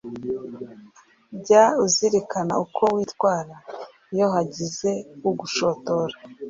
jya uzirikana uko witwara iyo hagize ugushotora.